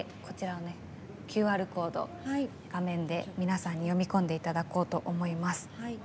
ＱＲコードを皆さんに読み込んでいただこうと思います。